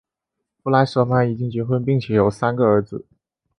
弗莱舍曼已经结婚并且有三个儿子。